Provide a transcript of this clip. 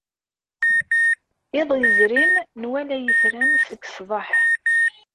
Iḍ yezrin, nwala itran seg ṣṣdeḥ.